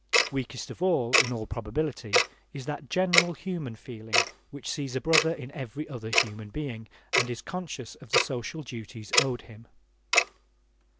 Weakest of all, in all probability, is that general human feeling which sees a brother in every other human being and is conscious of the social duties owed him.